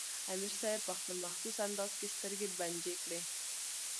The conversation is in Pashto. امیر صېب پۀ خپل مخصوص انداز کښې سترګې بنجې کړې